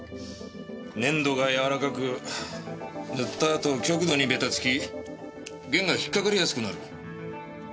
粘度がやわらかく塗ったあと極度にベタつき弦が引っ掛かりやすくなる。